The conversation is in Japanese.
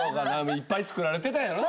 いっぱい作られてたやろな